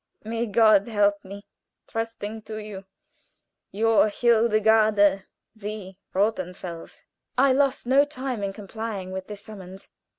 May God help me! Trusting to you, Your, "HILDEGARDE v. ROTHENFELS." I lost no time in complying with this summons.